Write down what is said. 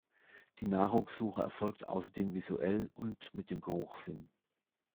Die Nahrungssuche erfolgt außerdem visuell und mit dem Geruchssinn.